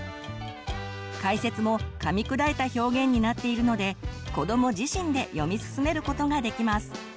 解説もかみ砕いた表現になっているので子ども自身で読み進めることができます。